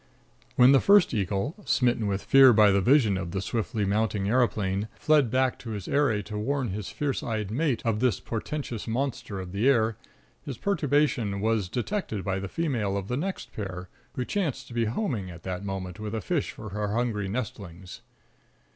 When the first eagle, smitten with fear by the vision of the swiftly mounting aeroplane, fled back to his eyrie to warn his fierce eyed mate of this portentous monster of the air, his perturbation was detected by the female of the next pair, who chanced to be homing at that moment with a fish for her hungry nestlings.